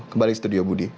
kembali ke studio budi